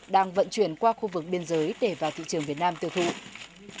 đang vận chuyển qua khu vực biên giới để vào thị trường việt nam tự hụt